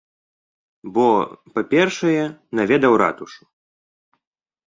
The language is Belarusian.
Бо, па-першае, наведаў ратушу.